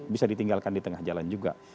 bisa ditinggalkan di tengah jalan juga